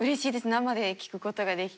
生で聴くことができて。